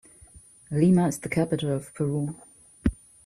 Lima is the capital of Peru.